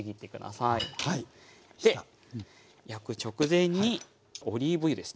で焼く直前にオリーブ油ですね。